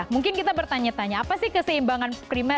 mungkin kita bertanya tanya apa sih keseimbangan primer